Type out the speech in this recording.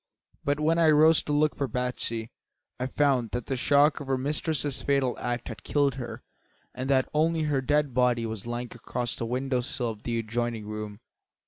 But when I rose to look for Batsy I found that the shock of her mistress's fatal act had killed her and that only her dead body was lying across the window sill of the adjoining room.